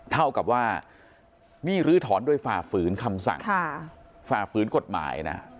เท่ากับว่านี่ลื้อถอนโดยฝ่าฝืนคำสั่งฝ่าฝืนกฎหมายนะ